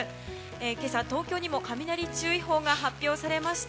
今朝、東京にも雷注意報が発表されました。